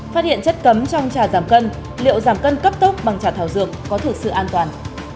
phát hiện chất cấm trong trà giảm cân liệu giảm cân cấp tốc bằng trà thảo dược có thực sự an toàn